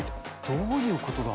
どういうことだ。